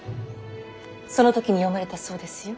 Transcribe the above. その時に詠まれたそうですよ。